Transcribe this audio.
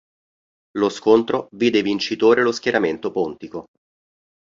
Lo scontro vide vincitore lo schieramento pontico.